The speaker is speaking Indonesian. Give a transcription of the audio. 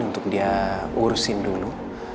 untuk dia urusin dulu